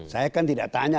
saya kan tidak tanya